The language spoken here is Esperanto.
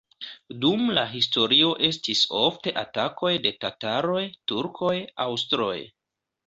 Dum la historio estis ofte atakoj de tataroj, turkoj, aŭstroj.